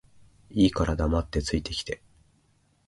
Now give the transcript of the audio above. いいから黙って着いて来て